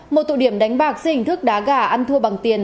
một tụ điểm đánh bạc dây hình thức đá gà ăn thua bằng tiền